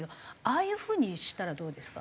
ああいう風にしたらどうですか？